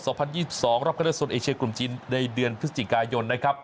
รอบคาเรือสนเอเชียกลุ่มจีนในเดือนพฤศจิกายนนะครับ